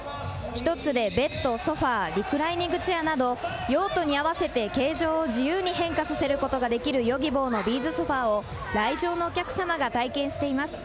一つでベッド、ソファ、リクライニングチェアなど用途に合わせて形状を自由に変化させることができるＹｏｇｉｂｏのビーズソファを来場のお客様が体験しています。